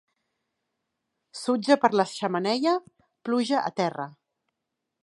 Sutge per la xemeneia, pluja a terra.